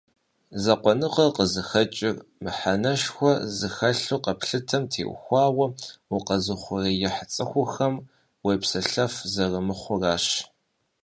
Закъуэныгъэр къызыхэкӏыр мыхьэнэшхуэ зыхэлъу къэплъытэм теухуауэ укъэзыухъуреихь цӏыхухэм уепсэлъэф зэрымыхъуращ.